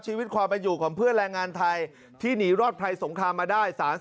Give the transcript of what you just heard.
ชีวิตความเป็นอยู่ของเพื่อนแรงงานไทยที่หนีรอดภัยสงครามมาได้